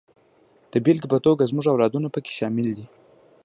د بېلګې په توګه زموږ اولادونه پکې شامل دي.